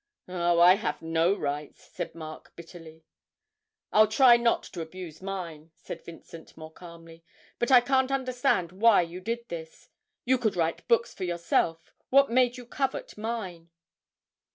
'Oh, I have no rights!' said Mark, bitterly. 'I'll try not to abuse mine,' said Vincent, more calmly, 'but I can't understand why you did this you could write books for yourself, what made you covet mine?'